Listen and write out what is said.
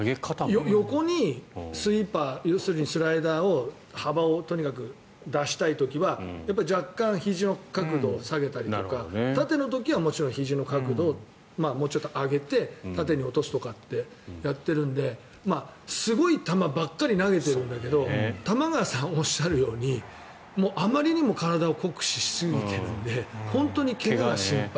横にスイーパー、スライダーを幅をとにかく出したい時は若干、ひじの角度を下げたりとか縦の時はもちろんひじの角度をもうちょっと上げて縦に落とすとかってやってるのですごい球ばっかり投げてるんだけど玉川さんがおっしゃるようにあまりにも体を酷使しすぎているので本当に怪我が心配。